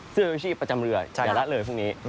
เสื้อชีวิตประจำเรือแหละแล้วพรุ่งนี้